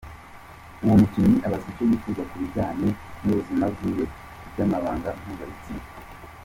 Uwo mukinyi abazwa ico yipfuza ku bijanye n'ubuzima bwiwe ku vy'amabanga mpuzabitsina.